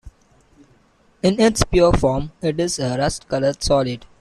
In its pure form it is a rust-colored solid.